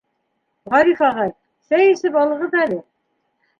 -Ғариф ағай, сәй эсеп алығыҙ әле.